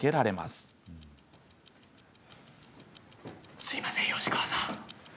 すいません、吉川さん。